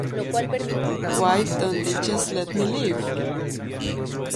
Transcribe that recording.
Why don't they just let me live?